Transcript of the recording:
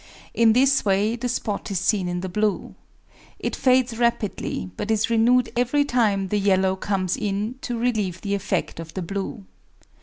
In this way the spot is seen in the blue. It fades rapidly, but is renewed every time the yellow comes in to relieve the effect of the blue.